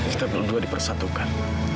kita berdua dipersatukan